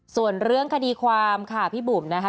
ส่วนเรื่องคดีความค่ะพี่บุ๋มนะคะ